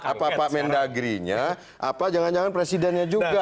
apa pak mendagrinya apa jangan jangan presidennya juga